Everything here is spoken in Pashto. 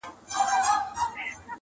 o د توري ټپ جوړېږي، د ژبي ټپ نه جوړېږي٫